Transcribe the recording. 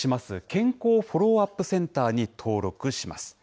健康フォローアップセンターに登録します。